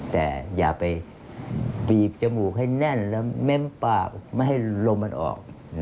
แต่อย่าไปบีบจมูกให้แน่นแล้วเม้มปากไม่ให้ลมมันออก